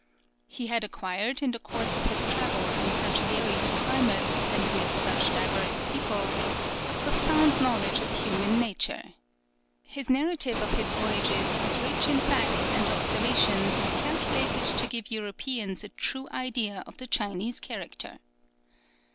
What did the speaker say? He had acquired in the course of his travels in such varied climates, and amid such diverse peoples, a profound knowledge of human nature. His narrative of his voyages is rich in facts and observations calculated to give Europeans a true idea of the Chinese character.